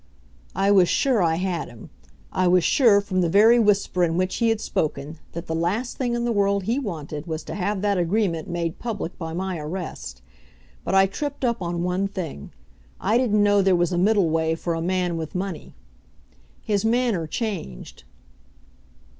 I was sure I had him. I was sure, from the very whisper in which he had spoken, that the last thing in the world he wanted was to have that agreement made public by my arrest. But I tripped up on one thing. I didn't know there was a middle way for a man with money. His manner changed.